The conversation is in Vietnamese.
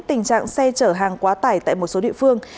tình trạng xe chở hàng quá tải tại một số địa phương